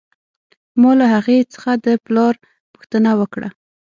ما له هغې څخه د پلار پوښتنه وکړه